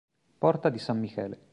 Porta di San Michele